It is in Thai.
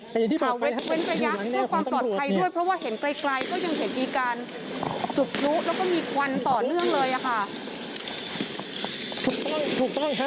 มาเว้นระยะเพื่อความปลอดภัยด้วยเพราะว่าเห็นไกลก็ยังเห็นมีการจุดพลุแล้วก็มีควันต่อเนื่องเลยค่ะ